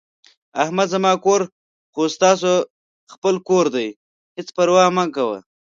احمده زما کور خو ستاسو خپل کور دی، هېڅ پروا مه کوه...